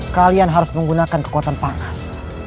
kalian harus menggunakan kekuatan panas